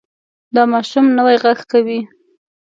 دا ماشوم نوی غږ کوي.